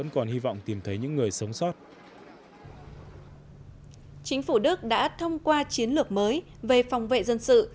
chính phủ đức đã thông qua chiến lược mới về phòng vệ dân sự